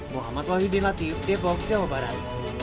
muhammad wahyudin latif depok jawa barat